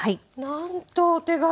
なんとお手軽な。